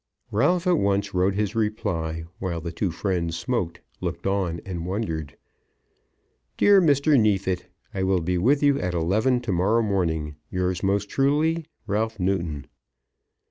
Ralph at once wrote his reply, while the two friends smoked, looked on, and wondered. "Dear Mr. Neefit, I will be with you at eleven to morrow morning. Yours most truly, RALPH NEWTON."